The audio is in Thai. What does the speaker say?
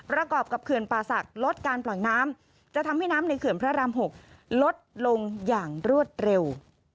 กรอบกับเขื่อนป่าศักดิ์ลดการปล่อยน้ำจะทำให้น้ำในเขื่อนพระราม๖ลดลงอย่างรวดเร็ว